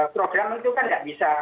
program itu kan nggak bisa